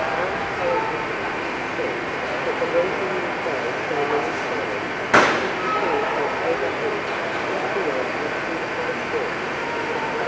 "Aunt Polly Woodchuck says that the reason you throw so many stones is because you overeat and feel in too high spirits."